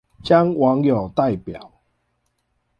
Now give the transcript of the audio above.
將網友代表